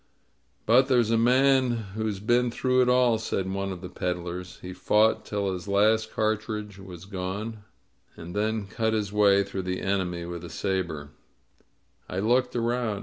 ^^But there's a man who's been through it all," said one of the peddlers. "He fought till his last cartridge was gone, and then cut his way through the enemy with a saber." I looked around.